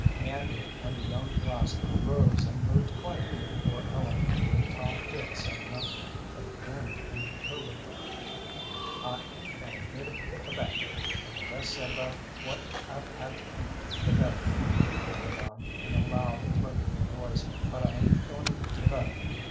Andrew and the young laster rose and moved quietly before Ellen. Tom Peel said nothing, but he grinned imperturbably. "I 'ain't had a bit of tobacco, and the less said about what I've had to eat the better," Lee went on, in a loud, threatening voice, "but I ain't going to give up.